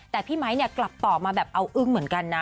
แต่พี่ไมค์เนี่ยกลับตอบมาแบบเอาอึ้งเหมือนกันนะ